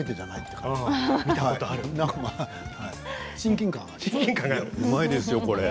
うまいですよ、これ。